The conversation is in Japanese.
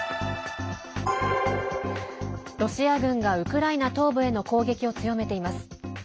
ロシア軍がウクライナ東部への攻撃を強めています。